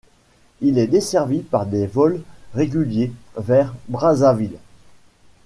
Il est desservi par des vols réguliers vers Brazzaville.